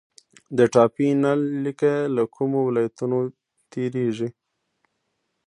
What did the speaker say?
د ټاپي نل لیکه له کومو ولایتونو تیریږي؟